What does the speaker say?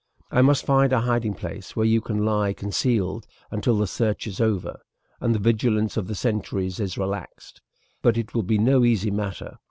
I must find a hiding place where you can lie concealed until the search is over, and the vigilance of the sentries is relaxed; but it will be no easy matter.